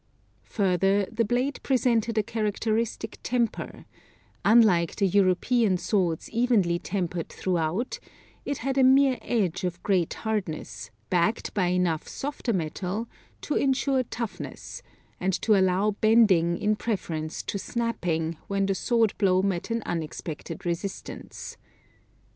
Further, the blade presented a characteristic temper; unlike the European swords evenly tempered throughout, it had a mere edge of great hardness backed by enough softer metal to ensure toughness, and to allow bending in preference to snapping when the sword blow met an unexpected resistance.